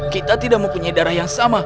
kita tidak mempunyai darah yang sama